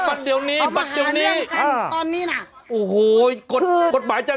เดี๋ยวนี้บัตรเดี๋ยวนี้ตอนนี้น่ะโอ้โหกฎหมายจะ